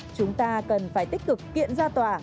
chúng ta cần phải tích cực kiện ra tòa